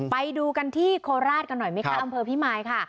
ไปดูกันที่โคราชกันหน่อยไหมคะอำเภอพิมายค่ะ